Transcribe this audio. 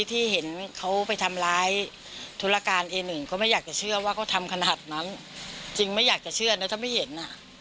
จริงไม่อยากจะเชื่อนะถ้าไม่เห็นน่ะ